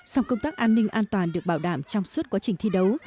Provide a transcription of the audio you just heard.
song công tác an ninh an toàn được bảo đảm trong suốt quá trình thi đấu